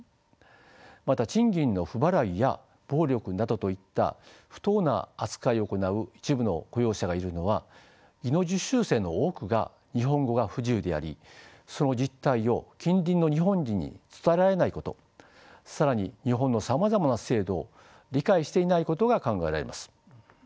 また賃金の不払いや暴力などといった不当な扱いを行う一部の雇用者がいるのは技能実習生の多くが日本語が不自由でありその実態を近隣の日本人に伝えられないこと更に日本のさまざまな制度を理解していないことが考えられます。